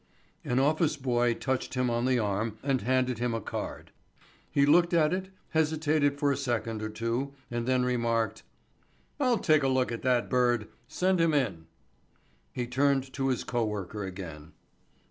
An office boy touched him on the arm and handed him a card. He looked at it, hesitated for a second or two and then remarked: "I'll take a look at that bird. Send him in." He turned to his co worker again.